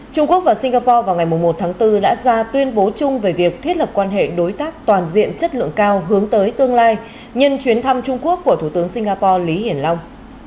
trung quốc và singapore vào ngày một tháng bốn đã ra tuyên bố chung về việc thiết lập quan hệ đối tác toàn diện chất lượng cao hướng tới tương lai nhân chuyến thăm trung quốc của thủ tướng singapore lý hiển long